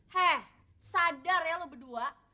heh sadar ya lu berdua